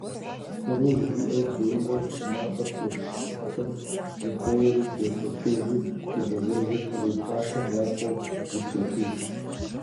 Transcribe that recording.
«Къру» жиӀэу джэурэ и макъыр къурш сытхэм жьэхоуэри джэрпэджэжу къигъэзэжыр къру пашэм япэу зэхехыж.